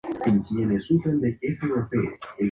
No todos los nombres árabes son nativo árabe.